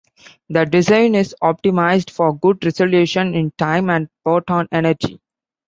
The design is optimized for good resolution in time and photon energy.